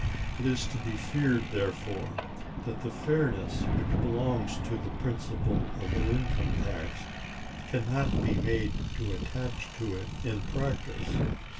It is to be feared, therefore, that the fairness which belongs to the principle of an income tax can not be made to attach to it in practice.